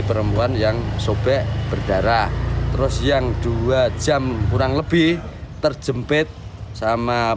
perempuan yang sobek berdarah terus yang dua jam kurang lebih terjepit sama